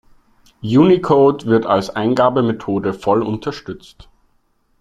Unicode wird als Eingabemethode voll unterstützt.